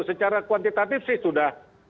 secara kuantitatif sih sudah